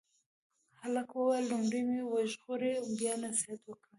هلک وویل لومړی مې وژغوره بیا نصیحت وکړه.